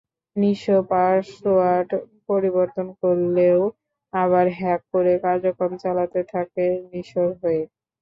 Nisho password পরিবর্তন করলেও আবার হ্যাক করে কার্যক্রম চালাতে থাকে নিশোর হয়ে।